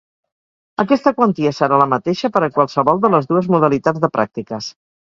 Aquesta quantia serà la mateixa per a qualsevol de les dues modalitats de pràctiques.